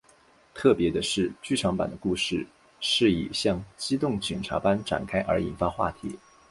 特别的是剧场版的故事是以像机动警察般展开而引发话题。